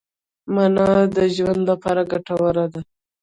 مڼه د زړه لپاره ګټوره ده.